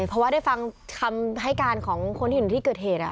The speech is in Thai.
เพราะว่าได้ฟังคำให้การของคนที่อยู่ที่เกิดเหตุ